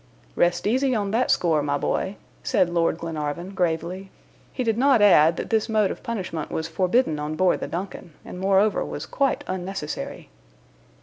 "Rest easy on that score, my boy," said Lord Glenarvan, gravely; he did not add, that this mode of punishment was forbidden on board the DUNCAN, and moreover, was quite unnecessary.